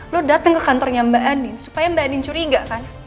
lo dateng ke kantornya mbak anin supaya mbak anin curiga kan